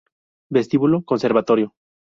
Vestíbulo Conservatorio